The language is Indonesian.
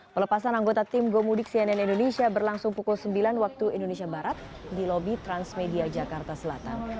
pelepasan anggota tim gomudik cnn indonesia berlangsung pukul sembilan waktu indonesia barat di lobi transmedia jakarta selatan